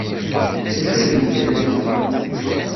D acu ay d-igan aya?